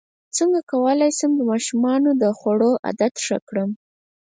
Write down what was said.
څنګه کولی شم د ماشومانو د خوړو عادت ښه کړم